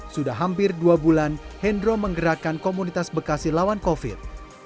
sudah hampir dua bulan hendro menggerakkan komunitas bekasi lawan covid